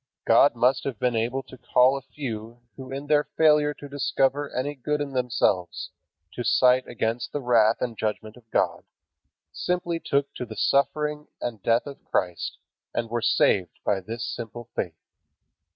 God must have been able to call a few who in their failure to discover any good in themselves to cite against the wrath and judgment of God, simply took to the suffering and death of Christ, and were saved by this simple faith.